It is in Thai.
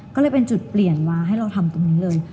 ก็เลยเป็นจุดเปลี่ยนมาให้เราทำตรงนี้เลย